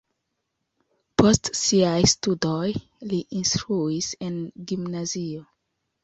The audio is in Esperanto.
Post siaj studoj li instruis en gimnazio.